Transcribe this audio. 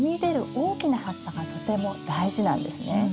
大きな葉っぱがとても大事なんですね。